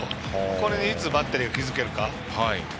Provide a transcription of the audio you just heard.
これ、いつバッテリーが気づけるか。